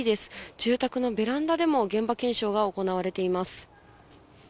住宅のベランダでも、現場検証が行われています。